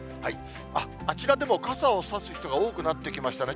あっ、あちらでも、傘を差す人が多くなってきましたね。